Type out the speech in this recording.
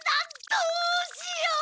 どうしよう！